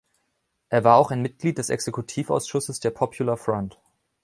Er war auch ein Mitglied des Exekutivausschusses der Popular Front.